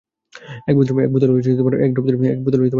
এক বোতলে এক ড্রপ দিলেই চলবে।